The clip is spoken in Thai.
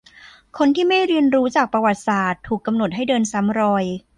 คนที่ไม่เรียนรู้จากประวัติศาสตร์ ถูกกำหนดให้เดินซ้ำรอย